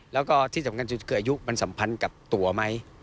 แล้วก็ที่สำคัญสุดคืออายุมันสัมพันธ์กับตัวไหม